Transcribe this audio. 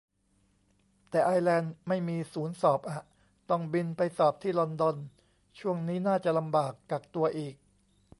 แต่ไอร์แลนด์ไม่มีศูนย์สอบอะ ต้องบินไปสอบที่ลอนดอน ช่วงนี้น่าจะลำบาก กักตัวอีก